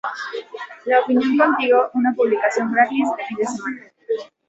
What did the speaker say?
La Opinión Contigo, una publicación gratis del fin de semana.